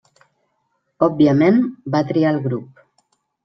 Òbviament, va triar el grup.